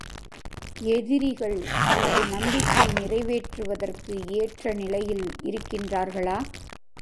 எதிரிகள் தனது நம்பிக்கை நிறைவேற்றுவதற்கு ஏற்ற நிலையில் இருக்கின்றார்களா?